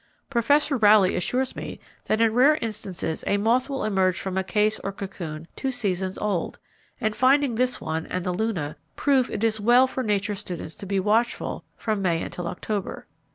Professor Rowley assures me that in rare instances a moth will emerge from a case or cocoon two seasons old, and finding this one, and the Luna, prove it is well for nature students to be watchful from May until October.